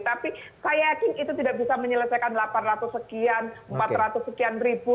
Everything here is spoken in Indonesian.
tapi saya yakin itu tidak bisa menyelesaikan delapan ratus sekian empat ratus sekian ribu